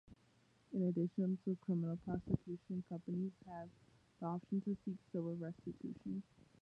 In addition to criminal prosecution, companies have the option to seek civil restitution.